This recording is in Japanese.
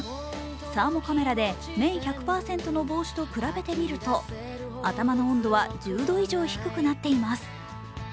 サーモカメラで綿１００％の帽子と比べてみると頭の温度は１０度以上低くなっています。